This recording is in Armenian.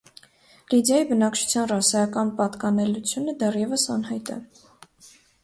Լիդիայի բնակչության ռասայական պատկանելությունը դեռևս անհայտ է։